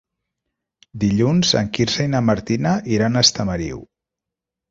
Dilluns en Quirze i na Martina iran a Estamariu.